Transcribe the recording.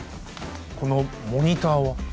このモニターは？